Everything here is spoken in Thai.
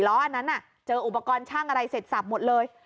อันนั้นเจออุปกรณ์ช่างอะไรเสร็จสับหมดเลย